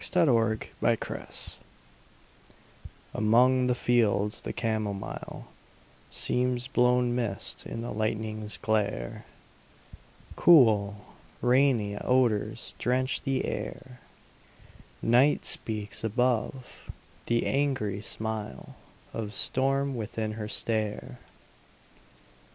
THE WINDOW ON THE HILL Among the fields the camomile Seems blown mist in the lightning's glare: Cool, rainy odors drench the air; Night speaks above; the angry smile Of storm within her stare.